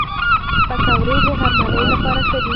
پکورې د غرمنۍ لپاره ښه دي